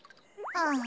ああ。